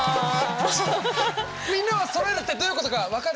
みんなはそろえるってどういうことか分かる？